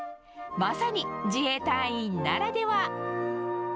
まさに、自衛隊員ならでは。